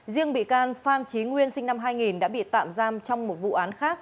riêng bị can phan trí nguyên sinh năm hai nghìn đã bị tạm giam trong một vụ án khác